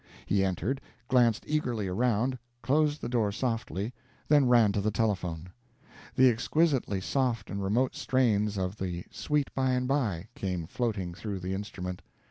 He entered, glanced eagerly around, closed the door softly, then ran to the telephone. The exquisitely soft and remote strains of the "Sweet By and by" came floating through the instrument.